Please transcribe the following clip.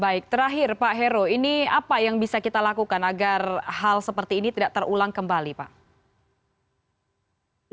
baik terakhir pak heru ini apa yang bisa kita lakukan agar hal seperti ini tidak terulang kembali pak